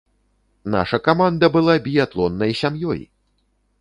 Наша каманда была біятлоннай сям'ёй!!!